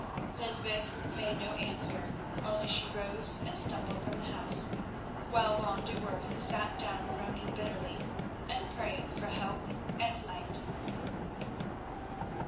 Lysbeth made no answer, only she rose and stumbled from the house, while van de Werff sat down groaning bitterly and praying for help and light.